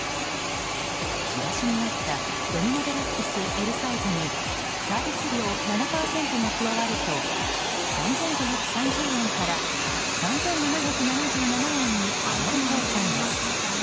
チラシにあったドミノ・デラックス、Ｌサイズにサービス料７％が加わると３５３０円から３７７７円に上がる計算です。